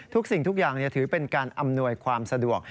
สิ่งทุกอย่างถือเป็นการอำนวยความสะดวก